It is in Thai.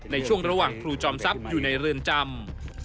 ในช่วงระหว่างครูจอมทรัพย์อยู่ในเรือนจำ